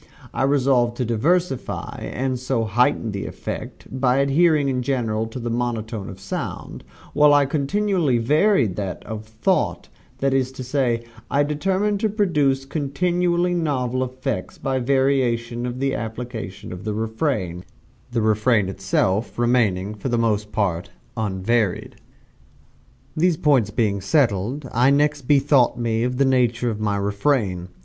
I resolved to diversify, and so heighten the effect, by adhering in general to the monotone of sound, while I continually varied that of thought: that is to say, I determined to produce continuously novel effects, by the variation of the application of the refrain the refrain itself remaining for the most part, unvaried. These points being settled, I next bethought me of the nature of my refrain.